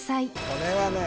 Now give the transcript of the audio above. これはね